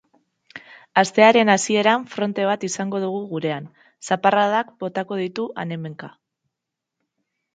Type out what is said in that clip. Astearen hasieran fronte bat izango dugu gurean, zaparradak botako ditu han-hemenka.